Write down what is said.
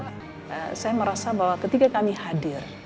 karena saya merasa bahwa ketika kami hadir